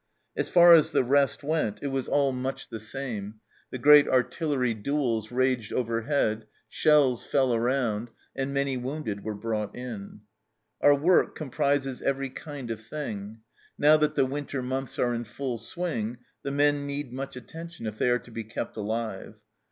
As far as the rest went it was all much ENTER ROMANCE 255 the same ; the great artillery duels raged overhead, shells fell around, and many wounded were brought in. " Our work comprises every kind of thing. Now that the winter months are in full swing the men need much attention if they are to be kept alive.